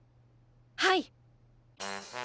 はい。